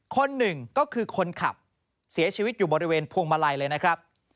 คนหนึ่งก็คือคนขับเสียชีวิตอยู่บริเวณพวงมาลัยเลยนะครับ